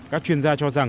các chuyên gia cho rằng